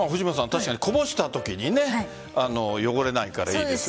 確かにこぼしたときにね汚れないから、いいですよね。